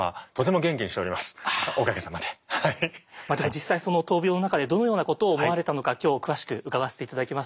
また実際その闘病の中でどのようなことを思われたのか今日詳しく伺わせて頂きます。